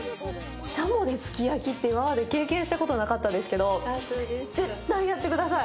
しゃもですき焼きって今まで経験したことなかったですけど絶対やってください！